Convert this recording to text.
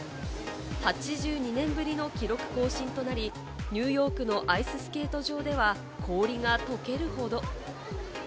８２年ぶりの記録更新となり、ニューヨークのアイススケート場では氷が溶けるほど。